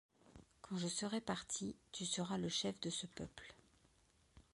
Quand je serai parti tu seras le chef de ce peuple.